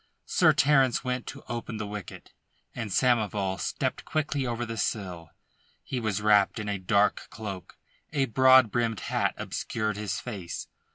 Sir Terence went to open the wicket, and Samoval stepped quickly over the sill. He was wrapped in a dark cloak, a broad brimmed hat obscured his face.